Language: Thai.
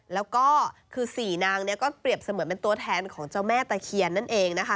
แล้วก็คือ๔นางเนี่ยก็เปรียบเสมือนเป็นตัวแทนของเจ้าแม่ตะเคียนนั่นเองนะคะ